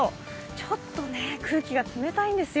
ちょっと空気が冷たいんですよ。